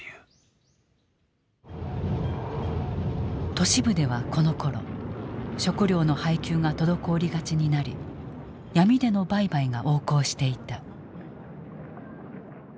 都市部ではこのころ食料の配給が滞りがちになり闇での売買が横行していた。